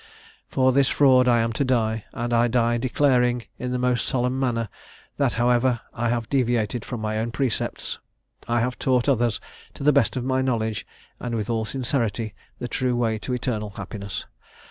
"For this fraud I am to die; and I die declaring, in the most solemn manner, that, however I have deviated from my own precepts, I have taught others, to the best of my knowledge, and with all sincerity, the true way to eternal happiness.